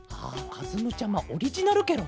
かずむちゃまオリジナルケロね。